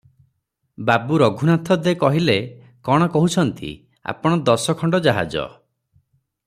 ବାବୁ ରଘୁନାଥ ଦେ କହିଲେ-କଣ କହୁଛନ୍ତି ଆପଣ ଦଶଖଣ୍ଡ ଜାହାଜ ।